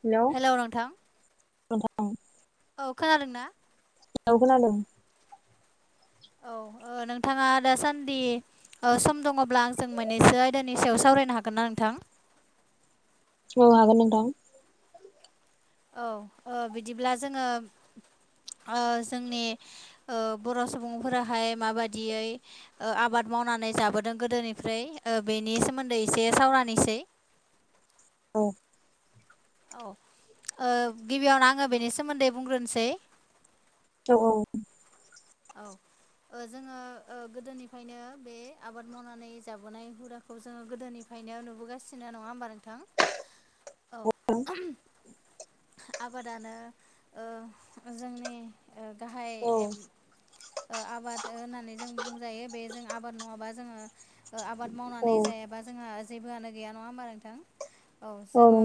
Hello नोंथां। औ खोनादों ना? औ खोनादों। औ। ओ नोंथाङा दासान्दि ओ सम दङब्ला आंजों मोननैसो आयदानि सायाव सावरायनो हागोन ना नोंथां? औ हागोन नोंथां। औ ओ बिदिब्ला जोङो ओ जोंनि ओ बर' सुबुंफोराहाय माबादियै ओ आबाद मावनानै जाबोदों गोदोनिफ्राय। ओ बेनि सोमोन्दै एसे सावरानोसै। औ। औ ओ गिबियावनो आङो बेनि सोमोन्दै बुंग्रोनसै। औ-औ औ जोङो गोदोनिफ्रायनो बे आबाद मावनानै जाबोनाय हुदा खौ जोङो गोदोनिफ्रायनो नुबोगासिनो नङा होमबा नोंथां औ नोंथां आबादानो ओ जोंनि ओ गाहाय ए आबाद होननानै जों बुंजायो बे जों आबाद नङाबा जोङो आबाद औ मावनानै जायाबा जोंहा जेबोआनो गैया नङा होमबा नोंथां औ जोङो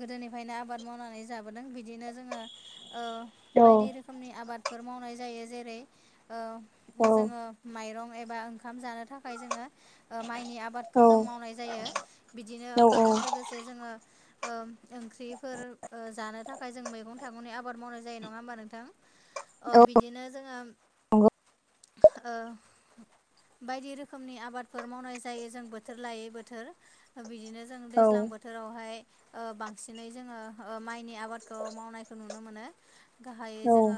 गोदोनिफ्रायनो आबाद मावनानै जाबोदों बिदिनो जोङो औ बायदि ओ रोख रोखोमनि आबादफोर मावनाय जायो जेरै औ जोङो माइरं एबा ओंखाम जानो थाखाय जोङो माइनि आबाद खौ औ जों मावनाय जायो बिदिनो ओंखामजों लोगोसे जोङो ओम ओंख्रिफोर जानो थाखाय जों मैगं थाइगंनि आबाद मावनाय जायो नङा होमबा नोंथां ओ बिदिनो जोङो नंगौ। ओ बायदि रोखोमनि आबादफोर मावनाय जायो जों बोथोर लायै बोथोर बिदिनो जों औ दैज्लां बो थोरावहाय बांसिनै जोङो माइनि आबादखौ मावनायखौ नुनो मोनो गाहायै औ जोङो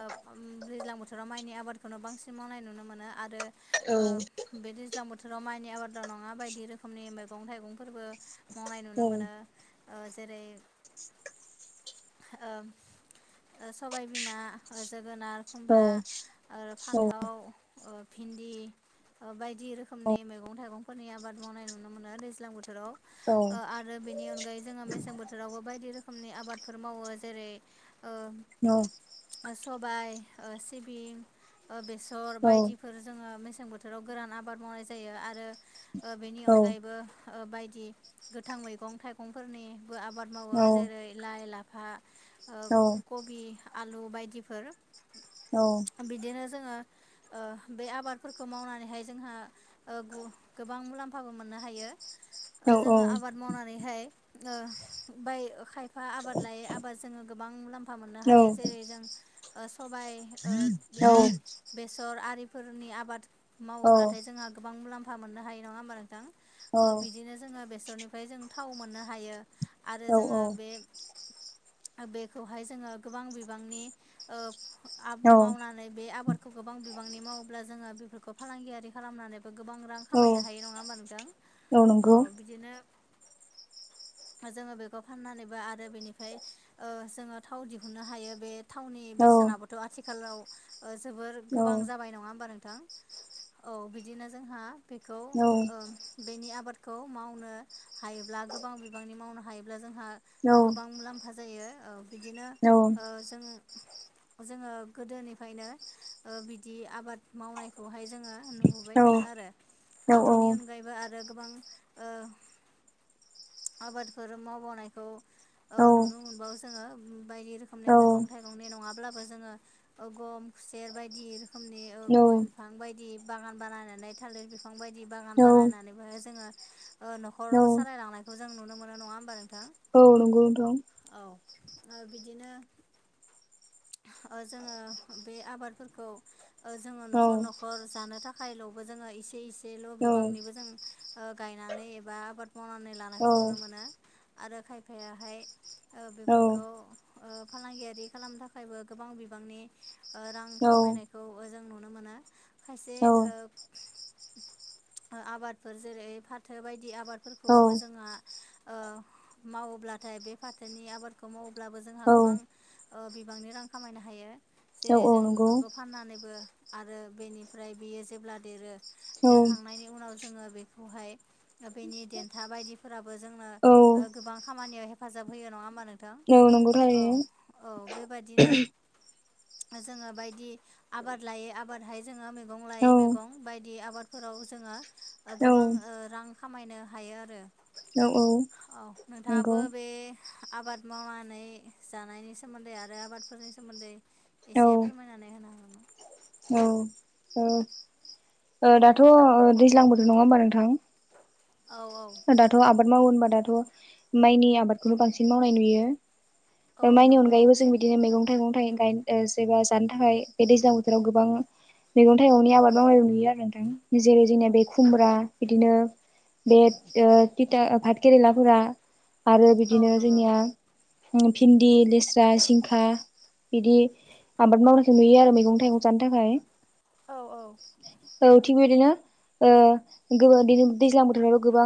दैज्लां बोथोराव माइनि आबादखौनो बांसिन मावनाय नुनो मोनो आरो औ औ ओ बे दैज्लां बोथोराव माइनि आबादाव नंङा बायदि रोखोमनि मैगं थाइगंफोरबो मावनाय नुनो मोनो जेरै ओ सबायबिमा जोगोनार खुमब्रा आरो फान्थाव भिन्दि बायदि रोखोमनि मैगं थाइगंफोरनि आबाद मावनाय नुनो मोनो दैज्लां बोथोराव आरो बेनि अनगायै जोंङो मेसें बोथोरावबो बायदि रोखोमनि आबादफोर मावो जेरै ओ औ सबाय सिबिं बेसर बायदिफोर जोङो मेसें बोथोर बोथोराव गोरान आबाद मावनाय जायो आरो बेनि अनगायैबो बायदि गोथां मैगं थाइगंफोरनिबो आबाद मावो जेरै लाइ लाफा कबि आलु बायदिफोर औ बिदिनो जोंङो बे आबादफोरखौ मावनानैहाय जोंहा ओ गु गोबां मुलाम्फाबो मोननो हायो जोङो आबाद मावनानैहाय ओ बाय खायफा आबाद लायै आबाद जोङो गोबां मु [unintelligible] मोननो हायो जेरै जों सबाय बिदि बेसर आरिफोरनि आबाद मावोब्लाथाय जोंहा गोबां मुलाम्फा मोननो हायो नंङा होमबा नोंथां औ बिदिनो जोंङो बेसरनिफ्राय जों थाव मोननो हायो आरो जोंङो बे बेखौहाय जोंङो गोबां बिबांनि मावनानै बे आबाद खौ गोबां बिबांनि मावोब्ला जोङो बेफोरखौ फालांगियारि खालामनानै गोबां रां खामायनो हायो नंङा होमबा नोंथां औ बिदिनो जोंङो बेखौ फाननानैबो आरो बेनिफ्राय जोंङो थाव दिहुननो हायो बे थावनि औ बेसेनाबोथ' आथिखालाव जोबोर औ गोबां जाबाय नंङा होमबा नोंथां औ बिदिनो जोंहा बेखौ औ बेनि आबादखौ मावनो हायोब्ला गोबां बिबांनि मावनो हायोब्ला जोंहा गोबां औ मुलाम्फा जायो बिदिनो जों जोंङो गोदोनिफ्रायनो बिदि आबाद मावनायखौहाय जोंङो नुबोबाय थादों औ आरो बेनि अनगायैबो आरो गोबां आबादफोर मावबावनायखौ औ नुनो मोनबावो जोंङो बायदि रोखोमनि औ मैगं थाइगंनि नङा। अब्लाबो जोंङो गम खुसेर बायदि रोखोमनि ओ औ गय बिफां बायदि बागान बानायनानै थालिर बिफां बायदि बागान बानायनानैबोहाय जोङो। औ न'खर सालायलांनायखौ जों नुनो मोनो नंङा होमबा नोंथां। औ नंगौ नोंथां। औ ओ बिदिनो जोंङो ओ बे आबादफोरखौ जोंङो औ न'खर न'खर जानो थाखायल'बो जोंङो इसे इसेल' औ बिबांनिबो जों गायनानै एबा आबाद मावनानै औ लानायखौ नुनो मोनो आरो खायफायाहाय औ बेफोरखौ फालांगियारि खालामनो थाखायबो गोबां बिबांनि रां औ खामायनायखौ खौ ओ जों नुनो मोनो खायसे ओ‌ आबादफोर जेरै फाथो बायदि औ आबादफोरखौबो जोंहा मावोब्लाथाय बे फाथोनि आबादखौ मावोब्लाबो जोंहा औ गोबां ओ बिबांनि रां खामायनो हायो औ जेरै औ जों ओ नंगौ बेफोरखौ फाननानैबो आरो बेनिफ्राय बेयो जेब्ला देरो औ देरखांनायनि उनाव जोंङो बेखौहाय बेनि देन्था बायदिफोराबो जोंनो औ गोबां खामानियाव हेफाजाब होयो नंङा होनबा? औ नंगौ थारैनो बेबादिनो [unintelligible] जोङो बायदि आबाद लायै आबादहाय जोङो मैगं लायै औ मैगं बायदि आबादफोराव जोङा औ गोबां रां खामायनो हायो आरो। औ औ नोंथाङाबो नंगौ औ बे आबाद मावनानै जानायनि सोमोन्दै आरो आबादफोरनि सोमोन्दै एसे फोर हानो हागोन नामा? औ औ दाथ' दैज्लां बोथोर नङा होमबा नोंथां? औ औ। दाथ आबाद मावो होनबा दाथ माइनि आबादखौनो बांसिन मावनाय नुयो। औ माइनि नंगौ अनगायैबो जों बिदिनो मैगं थाइगं थाइ गायनो जबा जानो थाखाय बे दैज्लां बोथोराव गोबां। मैगं थाइगंनि आबाद मावनाय नुयो आरो नोंथां जेरै जोंनिया बे खुमब्रा बिदिनो बे थिथा भाट केेरेलाफोरा आरो औ बिदिनो नंगौ जोंनिया भिन्दि, लेस्रा, जिंखा बिदि आबाद मावनायखौ नुयो आरो मैगं थाइगं जानो थाखाय। औ औ। औ थिग बिदिनो गोबांदिनो दैज्लां बोथोराव गोबां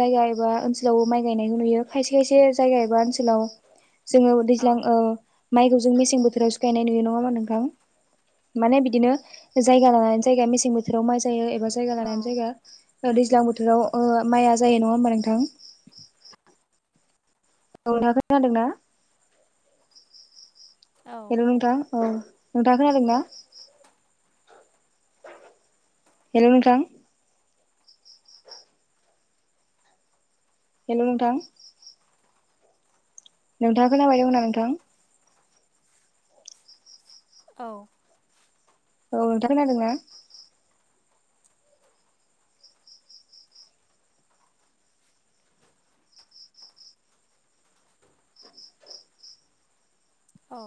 जायगा एबा ओनसोलावबो माइ गायनायखौ नुयो खायसे खायसे जायगा एबा ओनसोलाव जोंङो दैज्लां माइखौ जों मेसें बोथोराव सिखायनाय नुयो नंङा होनबा नोंथां? माने बिदिनो जायगा लानानै जायगा मेसें बोथोराव माइ जायो एबा जायगा लानानै औ जायगा दैज्लां बोथोराव माइआ जायो नङा होमबा नोंथां? औ नोंथाङा खोनादों [unintelligible] औ हेलौ नोंथां औ नोंथाङा खोनादोंना? हेलौ नोंथां? हेलौ नोंथां? नोंथाङा खोनाबाय दङ नामा नोंथां? औ। औ नोंथां खोनादोंना? औ।